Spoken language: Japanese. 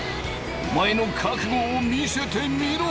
お前の覚悟を見せてみろ！